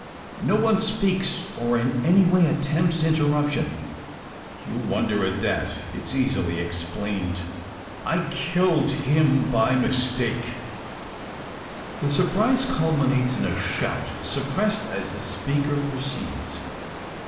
No one speaks, or in any way attempts interruption. "You wonder at that. It's easily explained. I killed him by mistake!" The surprise culminates in a shout; suppressed as the speaker proceeds.